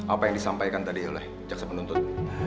apa yang disampaikan tadi oleh jaksa penuntut